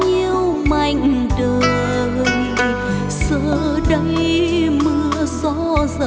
xin thôi trời mưa